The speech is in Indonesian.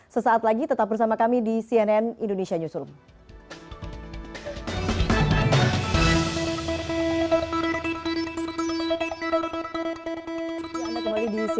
sesaat lagi tetap bersama kami di cnn indonesia newsroom